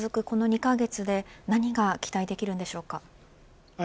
この２カ月で何が期待できるんでしょうか。